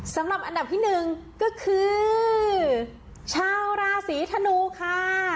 สำหรับอันดับที่หนึ่งก็คือชาวราศีธนูค่ะ